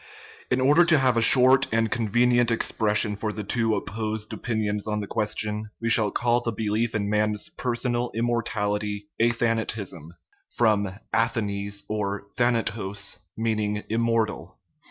In order to have a short and convenient expression for the two opposed opinions on the question, we shall call the belief in man's personal immortality " athan atism" (from athanes or athanatos = immortal).